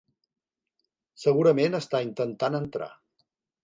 Segurament està intentant entrar.